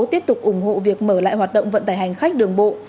tiếp tục ủng hộ việc mở lại hoạt động vận tải hành khách đường bộ